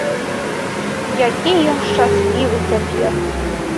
Які ён шчаслівы цяпер!